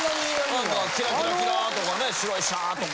何かキラキラとかね白いシャーとか。